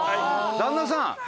旦那さん。